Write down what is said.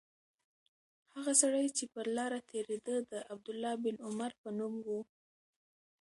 هغه سړی چې پر لاره تېرېده د عبدالله بن عمر په نوم و.